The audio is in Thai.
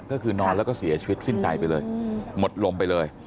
ก็คือนอนแล้วก็เสียชีวิตสิ้นใจไปเลยหมดลมไปเลย